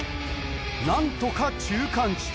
何とか中間地点